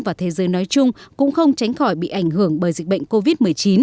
và thế giới nói chung cũng không tránh khỏi bị ảnh hưởng bởi dịch bệnh covid một mươi chín